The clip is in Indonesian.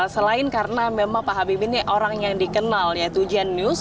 selain karena memang pak habibie ini orang yang dikenal yaitu jenius